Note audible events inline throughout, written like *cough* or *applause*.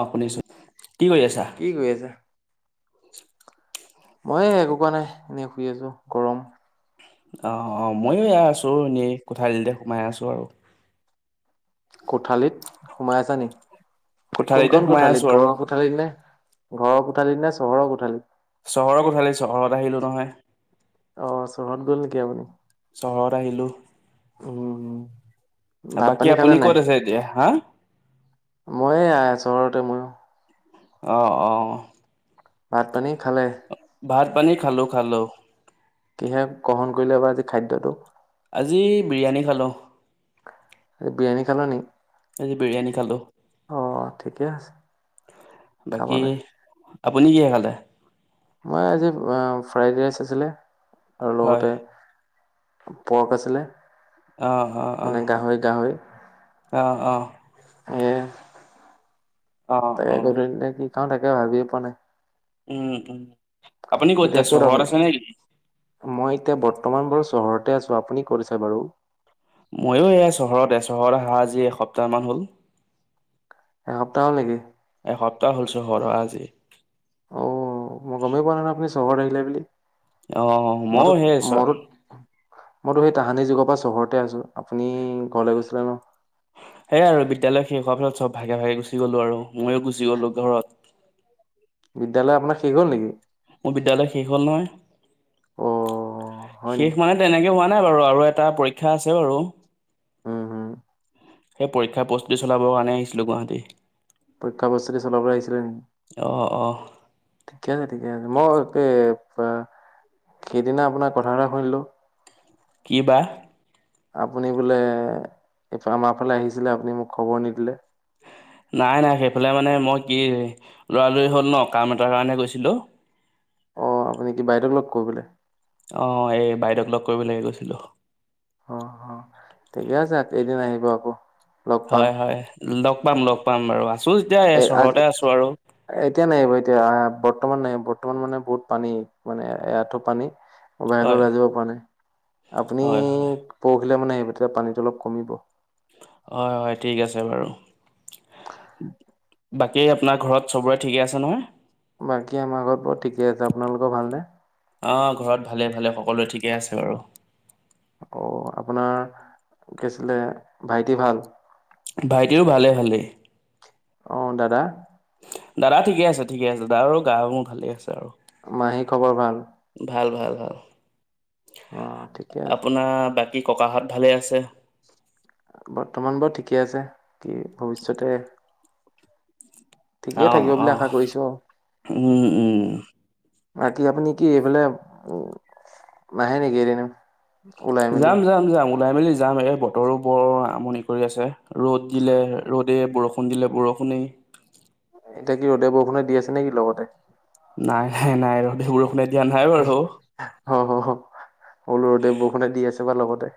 অ শুনিছো কি কৰি আছা কি কৰি আছা? মই একো কোৱা নাই এনেই শুই আছো গৰম। অঁ অঁ মইয়ো এয়া আছো, এনেই কোঠালীতে সোমাই আছো আৰু। কোঠালিত সোমাই আছা নেকি? কোঠালিতে কোনখন সোমাই কোঠালিত আছো আৰু ঘৰৰ- কোঠালি নে, ঘৰৰ কোঠালি নে চহৰৰ কোঠালিত? চহৰৰ কোঠালিত। চহৰত আহিলোঁ নহয়। অঁ চহৰত গ'ল নেকি আপুনি? চহৰত আহিলোঁ, উম ভাত পানী বাকী খালে আপুনি ক'ত আছে এতিয়া হা! ময়ে আচৰতে ময়ো। অ অ ভাত পানী খালে। ভাত পানী খালোঁ খালো। কিহে গ্ৰহণ কৰিলে বা আজি খাদ্যটো। আজি বিৰিয়ানী খালোঁ। আৰু বিৰিয়ানী খলানি আজি বিৰিয়ানী খালো ঠিকে আছে খাব বাকী। লাগে। আপুনি কিহে খালে- মই আজি ফ্ৰাইড ৰাইচ আছিলে। আৰু হয় লগতে- পৰ্ক আছিলে। অ অ অ মানে গাহৰি গাহৰি অ অ এ অ তাকে অ গধুলি টাইমত কি খাওঁ তাকে ভাবিয়ে পোৱা নাই। উম উম আপুনি এতিয়া ক'ত চহৰত আছে নেকি আপাই মই এতিয়া বৰ্তমান বাৰু চহৰতে আছো আপুনি ক'ত আছে। বাৰু ময়ো এয়া চহতে চহৰত অহা আজি এসপ্তাহ মান হ'ল। এসপ্তাহ হ'ল নেকি? এসপ্তাহ হ'লছোঁ সৰ আজি। অ মই গমেই পোৱা নাই নাই আপুনি চহৰত আহিলে বুলি। অ ময়ো সেই মোৰত চ মোৰ মইতো সেই তাহানি যুগৰ পৰা চহৰতে আছোঁ। আপুনি ঘৰলৈ গৈছিলে ন সেইয়াই আৰু বিদ্যালয় শেষ হোৱাৰ পিছত চব ভাগে ভাগে গুচি গ'লো আৰু ময়ো গুচি গ'লো ঘৰত বিদয়ালয় আপাৰ শেষ হ'ল নেকি? মোৰ বিদ্যালয় শেষ হ'ল নহয়। অ' হয় শেষ নেকি? মানে তেনেকে হোৱা নাই বাৰু আৰু এটা পৰীক্ষা আছে বাৰু- উম হুম। সেই পৰীক্ষাৰ প্ৰস্তুতি চলাবৰ কাৰণে আহিছিলোঁ গুৱাহাটী- প্ৰতীক্ষা কবচ চলাব পৰা আহছিলে নেকি? অঁ অঁ ঠিকে আছে ঠিকে আছে মই এই সেইদিনা আপোনাৰ কথা বথা শুনিলো। কি বা। আপুনি বোলে আমাৰ ফালে আহিছিলে আপুনি মোক খবৰ নিদিলে। নাই নাই সেইফালে মানে মই কি ল'ৰালৰি হ'ল ন কাম এটাৰ কাৰণে গৈছিলোঁ। অ আপুনি কি বাইদেউক লগ কৰিবলে। অ এই বাইদেউক লগ কৰিবলে গৈছিলো। অ অ ঠিকে আছে কে এদিন আহিব আকৌ। লগ পাম হয় হয় লগ পাম লগ পাম বাৰু আছো এ যেতিয়া আজি চহৰতে আছো। আৰু এতিয়া নাই বাৰু এতিয়া বৰ্তমান নাই বৰ্তমান মানে বহুত পানী মানে এথো পানী। অ বাহলৈ হয় ওলাই যাব পৰা নাই আপুনি হয় হয় পৰহিলৈ মানে আহিব। তেতিয়া পানীটো অলপ কমিব হয় হয় ঠিক আছে। বাৰু বাকী আপোনাৰ ঘৰত চবোৰে ঠিকে আছে। নহয় বাকী আমাৰ আ ঘৰত বাৰু ঠিকে আছে। আপোনালোকৰ ভালনে অ ঘৰত ভালে ভালে সকলোৱে ঠিকে আছে। বাৰু অ আপোনাৰ কিছিলে ভাইটি ভাল? ভাইটিৰো ভালে ভালেই। অ দাদা? দাদা ঠিকে আছে ঠিকে আছে দাদা আৰু গা মোৰ ভালেই আছে আৰু। মাহী খবৰ ভাল? ভাল ভাল ভাল। অ ঠিকে আছে আপোনাৰ বা- কী ককাহঁত ভালে আছে? বৰ্তমান বা ঠিকে আছে। কি ভৱিষ্যতে ঠিকেই অ', থাকিব বুলি আশা অ', কৰিছো আও। উম, উম। বাকী আপুনি কি এইফালে উ নাহে নেকি এদিনো? যাম যাম যাম ওলাই মেলি যাম এই বতৰো বৰ আমনি কৰি আছে ৰ'দ। দিলে ৰ'দে, বৰষুণ দিলে বৰষুণেই। এতিয়া কি ৰ'দে বৰষুণে দি আছে নে কি লগতে। নাই নাই নাই ৰ'দে বৰষুণে দিয়া নাই বাৰু। হ হ হ'লো ৰ'দে বৰষুণে দি আছে বা লগতে।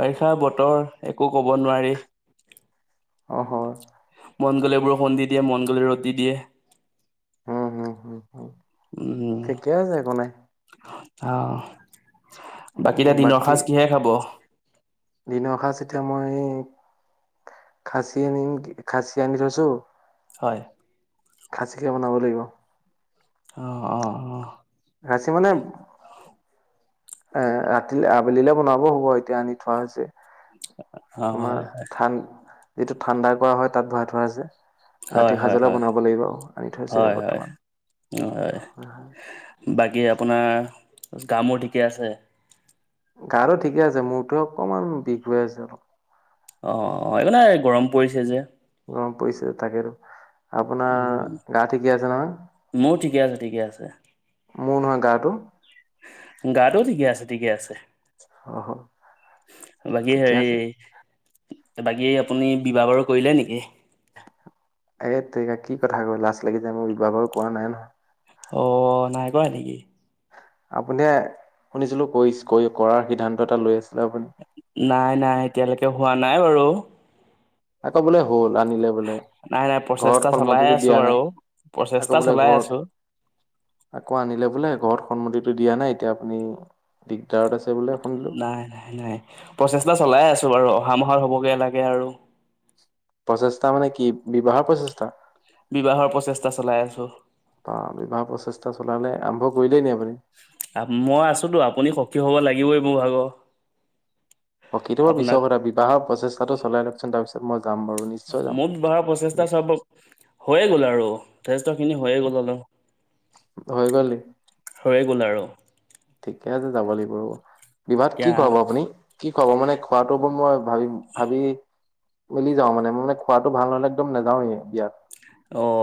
বাৰিষা বতৰ একো ক'ব নোৱাৰি। অ হয়। মন গ'লে বৰষুণ দি দিয়ে মন গ'লে ৰ'দ দি দিয়ে। উম হুম হুম হুম উম ঠিকে আছে একো নাই অহ। উ বাকী দিনৰ সাঁজ এতিয়া মই খাচী আনিম কি খাচী আনি থৈছোঁ। হয়। খাচীকে বনাব লাগিব। অ অ অ। ৰাছি মানে এ ৰাতি আবেলিলে বনাব হ'ব এতিয়া আনি থোৱা হৈছে। *unintelligible* তোমাৰ হয়, ঠান ইটো ঠাণ্ডা কৰা হয় তাত ভৰা ধোৱা যে হয়, হয়, ৰাতি হয়, সাজলও বনাব লাগিব আনি থৈছোঁ অ হয়, হয়, হয়, বৰ্তমান হয় হয়। বাকী আপোনাৰ গা-মূৰ ঠিকে আছে? গাৰো ঠিকে আছে মূৰটো অকমান বিষ হৈ আছে। অ অ একো নাই গৰম পৰিছে যে। গৰম পৰিছে তাকেইতো আপোনাৰ গা ঠিকেই আছে নহয়? মো ঠিকে আছে ঠিকে আছে। মো নহয় গাটো? গাটো ঠিকে আছে ঠিকে আছে। অ হ বাকী ঠিকে হেৰি আছে বাকী আপুনি বিবাহ বাৰু কৰিলে নেকি? এ তেৰিকা কি কথা কৈ লাজ লাগি যায় মোৰ বিবাহ বাৰু কৰা নাই নহয়। অ নাই কৰোৱা নেকি? আপুনিয়ে শুনিছিলো কৈছ কৈ কৰাৰ সিদ্ধান্ত এটা লৈ আছিলে আপুনি? নাই নাই এতিয়ালৈকে হোৱা নাই বাৰু। আকৌ বোলে হ'ল আনিলে বোলে। নাই, নাই, প্ৰচেষ্টা ঘৰত চলাই সন্মতিতটো আছোঁ দিয়া বাৰু। নাই প্ৰচেষ্টা আকৌ বোলে চলাই ঘৰত আছোঁ, আকৌ আনিলে বোলে ঘৰত সন্মতিটো দিয়া নাই এতিয়া আপুনি দিগদাৰত আছে বোলে এখোন- নাই নাই নাই প্ৰচেছটা চলাই আছো বাৰু অহা মাহত হ'বগে লাগে আৰু। প্ৰচেষ্টা মানে কি বিবাহৰ প্ৰচেষ্টা? বিবাহৰ প্ৰচেষ্টা চলাই আছোঁ। অঁ বিবাহ প্ৰচেষ্টা চলালে আৰম্ভ কৰিলেই নি আপুনি। মই আছোতো আপুনি সখী হ'ব লাগিবই মোৰ ভাগ। অ কিটো মই বিছ কথা বিবাহৰ প্ৰচেষ্টাটো চলাই লওকচোন তাপিছত মই যাম বাৰু নিশ্চয় যাম। মোক ধৰা প্ৰচেষ্টা চব হৈয়ে গ'ল আৰু যথেষ্ট খিনি হৈয়ে গ'ল অলপ। হৈ গ'ল হৈয়ে গ'ল আৰু। ঠিকে আছে যাব লাগিব ৰব বিবাহত এতিয়া কি খোৱাব আপুনি? কি খুৱাব মানে খোৱাতোটো মই ভাবি ভাবি- গলি যাওঁ মানে মানে মানে খোৱাটো ভাল নহ'লে একদম নাযাঁওৱে বিয়াত। অঁ অ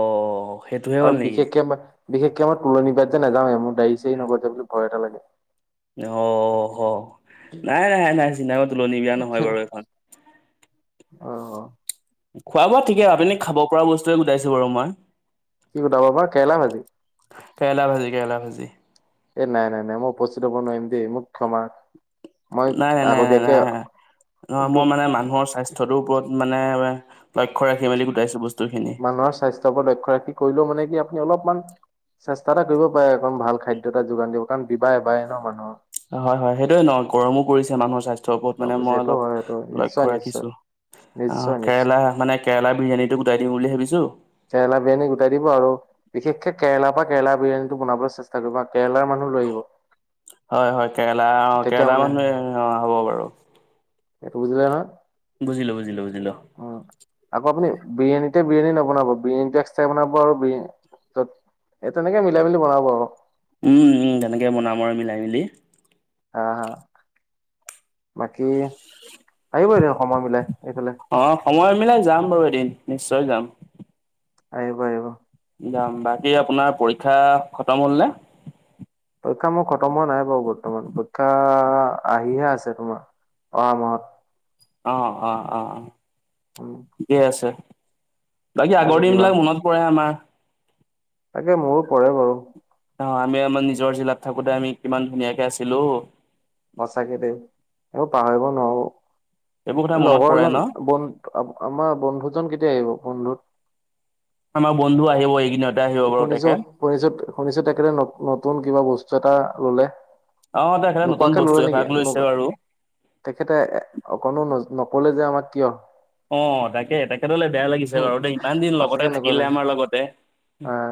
অ সেইটোহে হল নিকি। কে মা- বিশেষকে মই তুলনী বিয়াত যে নাযাওঁৱে মোৰ ডাড়ি চাৰি নগজে বুলি ভয় এটা লাগে। অঁ হ নাই নাই নাই চিনতা কৰিব তুলনি বিয়া নহয় বাৰু এখন। অঁ অ। খোৱা বোৱা ঠিকে আপুনি খাব পৰা বস্তুৱে গোটাইছো বাৰু মই। কি গোটাব বা কেৰেলা ভাজি। কেৰেলা ভাজি কেৰেলা ভাজি। এ নাই নাই নাই মই উস্পটিত হব নোৱাইম দেই মোক ক্ষমা- মই নাই নাই নাই আগতীয়াকে নাই নহ মই মানে দুখ মানুহৰ স্বাস্থ- থদো ওপৰত মানে লক্ষ্য ৰাখি মেলি গোটাইছো বস্তুখিনি। মানুহৰ স্বাস্থ্যৰ ওপত লক্ষ্য ৰাখি কৰিলেও মানে কি আপুনি অলপমান- চেষ্টা এটা কৰিব পাৰে একদম ভাল খাদ্য এটা যোগান দিব কাৰণ বিবাহ এবায়েই ন মানুহৰ। হয় হয়, সেইটোয়ে নহ গৰমো পৰিছে মানুহৰ স্বাস্থ- ওপৰত গম মানে পাইছে মই সেইটো হয় সেইটো অলপ নিশ্চয় লক্ষ্য নিশ্চয় ৰাখিছো। অঁ নিশ্চয় নিশ্চয় কেৰেলা মানে কেৰেলা বিৰিয়ানীটো গোটাই দিম বুলি ভাবিছো- কেৰেলা বিৰিয়ানী গোটাই দিব আৰু বিশেষকে কেৰেলা পা কেৰেলা বিৰিয়ানীটো বনাবলে চেষ্ট- সেইতুবা কেৰেলাৰ মানুহ লৈ আহিব তেতিয়া মানে- অঁ হ'ব বাৰু। এটো বুজিলা নহয়। বুজিলো বুজিলো বুজিলো। উম আকৌ আপুনি বিৰিয়ানীতে বিৰিয়ানী নবনাব বিৰিয়ানীটো এক্সট্ৰা বনাব আৰু বিন- তত এ তেনেকে মিলাই মিলি বনাব আৰু। উম' উম' তেনেক বনাম আৰু মিলাই মিলি। হাঁ হাঁ বাকী আহিব এতিয়া সময় মিলাই এইফালে। অঁহ সময় মিলাই যাম বাৰু এদিন নিশ্চয় যাম। আহিব আহিব। যাম বাকী আপোনাৰ পৰীক্ষা খতম হ'ল নে? পৰীক্ষা মোৰ খতম হোৱা নাই বাৰু বৰ্তমান পৰীক্ষা আহিহে আছে তোমাৰ। অহা মাহত। অঁ অঁ অঁ অ উম ঠিকে আছে বাকী আগৰ আছে কিবা দিনবিলাক মনত- পৰে আমাৰ। তাকে, মোৰো পঢ়ে বাৰু। ন আমি আমাৰ নিজৰ জিলাত থাকোতে আমি কিমান ধুনীয়াকে আছিলো সঁচাকে দেই সেইবোৰ পাহৰিব নোৱাৰো এইবোৰ কথা এ মনত পৰে ন লগৰজন বন আমাৰ বন্ধুজন কেতিয়া আহিব বন্ধুত আমাৰ বন্ধু আহিব এইকেইদিনত শুনিছো শুনিছো শুনিছো তেখেতে ন নতুন কিবা বস্তু এটা ললে অ তেখেতে নতুন নোকোৱাকে বস্তু ললে নেকি এভাগ লৈছে বাৰু তেখেতে অকণো নকলে যে আমাক কিয় অ তাকে তেখেতলে বেয়া লাগিছে হম বাৰু দেই ইমান দিন লগতে সঁচাকে থাকিলে নকলে। আমাৰ লগতে আহ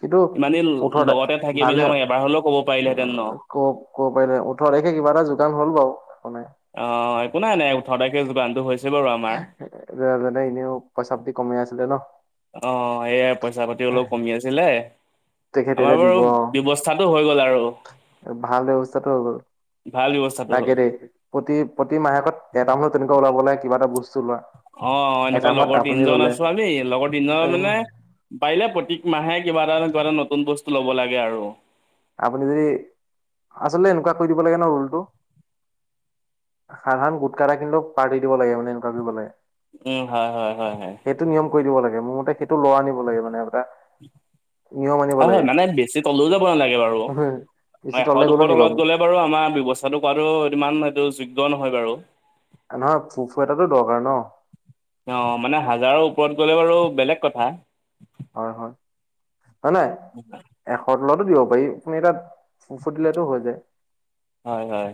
কিন্তু ইমান দিন ওঠৰ তাৰিখ লগতে থাকি পিনে আমাৰ এবাৰ হলেও কব পাৰিলেহেঁতেন ন- ক ক'ব পাৰিলে হ'লে ওঠৰ তাৰিখে কিবা এটা যোগান হ'ল বাৰু একো নাই অ একো নাই নাই ওঠৰ তাৰিখে যোগানটো হৈছে বাৰু আমাৰ জানে এনেও পইচা পাতি কমাই আছিলে ন। অ এইয়াই পইচা পাতি অলপ কমি আছিলে তেখেতে আমাৰ এতিয়া বাৰু দিব ব্যৱস্থাতো হৈ গ'ল আৰু ভাল ব্যৱস্থাতো তাকে দেই প্ৰতি প্ৰতি মাহেকত এটা হলো তেনেকোৱা ওলাব লাগে কিবা এটা বস্তু লোৱা অ এনেকোৱা লগৰ তিনিজন আছো আমি লগৰ তিনিজনৰ উম মানে- পাৰিলে প্ৰত্যেক মাহে কিবা এটা নহয় কিবা এটা নতুন বস্তু লব লাগে আৰু আপুনি যদি আচলতে এনেকোৱা কৰি দিব লাগে ন ৰোলটো সাধাৰণ গোটকা এটা কিন্তু পাৰ্টি দিব লাগে মানে এনেকোৱাকে গলে উম হয় হয় হয় হয় সেইটো নিয়ম কৰি দিব লাগে মোৰ মতে সেইটো লৰা আনিব লাগে মানে এটা নিয়ম আনিব হয় হয় লাগে। মানে বেছি তললেও যাব নালাগে বাৰু হব বেছি মানে এশ তললে গ'লো দুশৰ নি তলত গলে বাৰু আমাৰ ব্যৱস্থাতো কৰাতো ইমান সেটো যোগ্য নহয় বাৰু নহয় ফুফু এটাতো দৰকাৰ ন অ মানে হাজাৰৰ ওপৰত গ'লে বাৰু বেলেগ কথা হয় হয় হয় নাই এশৰ তলতো দিব পাৰি আপুনি তাত ফু ফুটিলেতো হৈ যায় হয় হয়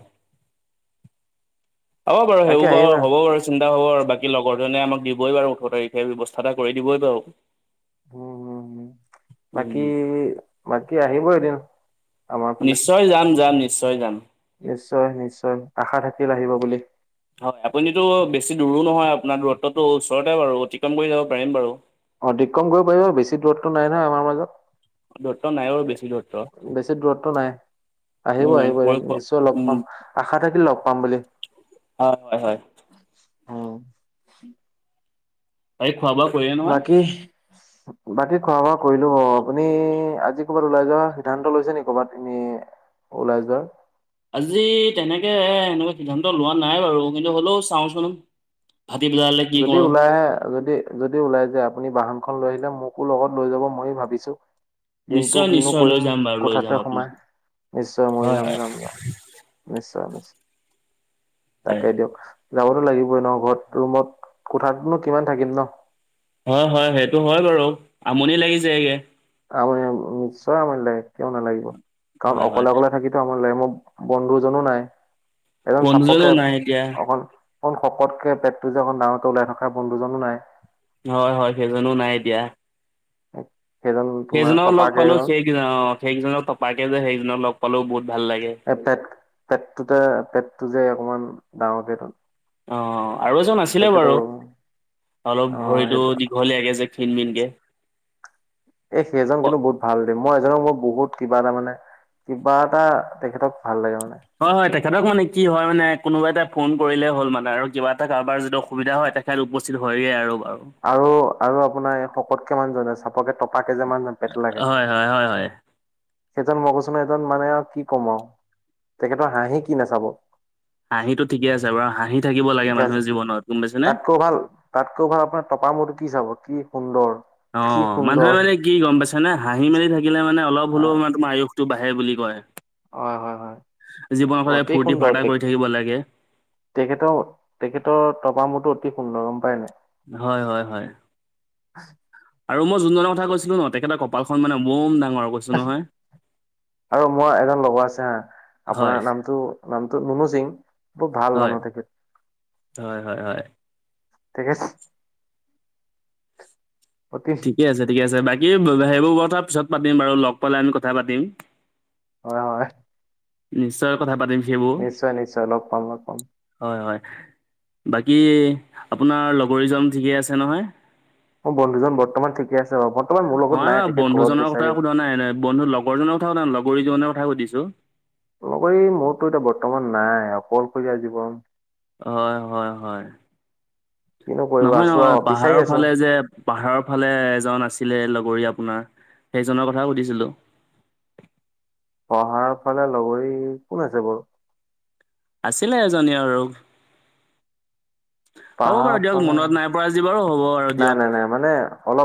হ'ব বাৰু তাকে সেইবোৰ বাৰু আহিবা হব বাৰু চিন্তা হব আৰু বাকী লগৰজনে আমাক দিবই পাৰু ওঠৰ তাৰিখে ব্যৱস্থা এটা কৰি দিবই বাৰু উম হম হু উম বাকি বাকি আহিব এদিন আমাৰ ফালে নিশ্চয় যাম যাম নিশ্চয় যাম নিশ্চয় নিশ্চয় আশা থাকিল আহিব বুলি হয় আপুনিতো বেছি দূৰো নহয় আপোনাৰ দূৰত্বটো ওচৰতে বাৰু অতিক্ৰম কৰি যাব পাৰিম বাৰু অধিক কম কৰিব পাৰিব বেছি দূৰত্ব নাই নহয় আমাৰ মাজত দূৰত্ব নাই বাৰু বেছি দূৰত্ব বেছি দূৰত্ব নাই আহিব উম আহিব পৰি এদিন নিশ্চয় লগ উম পাম আশা থাকিল লগ পাম বুলি হয় হয় হয় হয় এই খোৱা বোৱা কৰিলে নহয় বাকী বাকি খোৱা বোৱা কৰিলো বাও আপুনি আজি ক'ৰবাত ওলাই যোৱাৰ সিদ্ধান্ত লৈছে নি ক'ৰবাত এনেই ওলাই যোৱাৰ আজি তেনেকে এনেকুৱা সিদ্ধান্ত লোৱা নাই বাৰু কিন্তু হ'লও চাওঁচোন ফাটি পেলালে যদি ওলাই আহে যদি যদি ওলাই যায় আপুনি বাহনখন লৈ আহিলে মোকো লগত লৈ যাব ময়ো ভাবিছো দিনটো নিশ্চয় কিনো নিশ্চয় লৈ কৰিম যাম বাৰু লৈ যাম কোথাতে সোমাই আপোনাক নিশ্চয় মই হয় যাম যাম যাম নিশ্চয় নিশ্চয় হয় তাকে দিয়ক যাবতো লাগিবই ন ঘৰত ৰুমত কোঠাতনো কিমান থাকিম ন হয় হয় সেইটো হয় বাৰু আমনি লাগি যায় গে আমনি নিশ্চয় আমনি লাগে কিয় নালাগিব কাৰণ হয় হয় অকলে অকলে থাকিটো আমনি লাগে ম বন্ধুজনো নাই এজন বন্ধুজনো চাপকে নাই এতিয়া অকন অকন শকতকে পেটটো যে অকণ ডাঙৰকে ওলাই থকা বন্ধুজনো নাই হয় হয় সেইজনো নাই এতিয়া সেইজন তোমাৰ টপাকেজন কি জান অ সেইজনক টপাকে যে সেইজনক লগ পালো বহুত ভাল লাগে এই পেট পেটটোতে পেটটো যে অকমান ডাঙৰকেটো অ অ আৰু এজন আছে তেখেত অ অলপ সেই ভৰিতো দীঘলীয়াকে যে ক্ষীণ-মিনকে এ সেইজন কিন্তু বহুত ভাল দেই মই এজনক মোৰ বহুত কিবা টামানে কিবা এটা তেখেতক ভাল লাগে মানে হয় হয় তেখেতক মানে কি হয় মানে কোনোবা এটা ফোন কৰিলে হ'ল মানে আৰু কিবা এটা কাৰোবাৰ যদি অসুবিধা হয় তে খেল উপস্থিত হয়গে আৰু বাৰু আৰু আৰু আপোনাৰ এই শকতকে মানু্হজনেযে চাপকে টপাকে জে মানু্হজন হয় হয় হয় হয় সেইজন মইকৈছো নহয় সেজন মানে আৰু কি কম আৱ তেখেতৰ হাঁহি কি নাচাব হাঁহিটো ঠিকে আছে বাৰু হাঁহি থাকিব লাগে মানুহে জীৱনত গম পাইছ নে ক ভাল তাতকৈ ভাল আপোনাৰ টপা মূৰটো কি চাব কি সুন্দৰ অ কি মানুহে সুন্দৰ মানে কি গম পাইছে নে হাঁহি মেলি থাকিলে মানে অলপ হ'লো আহ মানে তোমাৰ আয়ুস টো বাঢ়ে বুলি কয়, হয় হয় হয় যিমানপাৰে অতি ফূৰ্তি-ফাৰ্তা সুন্দৰ কৰি থাকিব লাগে তেখেতৰ তেখেতৰ তপা মূৰটো অতি সুন্দৰ গম পায় নাই হয় হয় হয় আৰু মই জোনজনৰ কথা কৈছিলো ন তেখেতৰ কপালখন মানে বম ডাঙৰ কৈছো নহয় আৰু মোৰ এজন লগৰ আছে হা হয় আপোনাৰ নামটো নামটো নুনু সিং খুব ভাল হয় মানুহ তেখেত হয় হয় হয় তেখেত অতি ঠিকে আছে ঠিকে আছে বাকী সেইবোৰ কথা পিছত পাতিম বাৰু লগ পালে আমি কথা পাতিম হয় হয় নিশ্চয় কথা পাতিম সেইবোৰ নিশ্চয় নিশ্চয় লগ পাম লগ পাম হয় হয় বাকী আপোনাৰ লগৰীজন ঠিকেই আছে নহয়? মোৰ বন্ধুজন বৰ্তমান ঠিকে আছে বাৰু বৰ্তমান মোৰ লগত মই নাই তেখেত ঘৰত বন্ধুজনৰ গৈছে কথা সোধা নাই নাই বন্ধু লগৰজনৰ কথা সোধা নাই লগৰীজন কথা সুধিছো লগৰি মোৰতো এতিয়া বৰ্তমান নাই অকলশৰীয়া জীৱন হয় হয় হয়, কিনো কৰিবা নহয় আছো নহয় আৰু বিচাৰি পাহাৰৰ আছো ফালে যে- পাহাৰৰ ফালে এজন আছিলে লগৰী আপোনাৰ, সেইজনৰ কথা সুধিছিলোঁ। পঢ়াৰ ফালে লগৰী কোন আছে বাৰু? আছিলে এজনী আৰু। হ'ব পাহাৰৰ বাৰু দিয়ক ফালে মনত নাই পৰা আজি বাৰু হ'ব বাৰু নাই দিয়ক। নাই নাই মানে অলপ।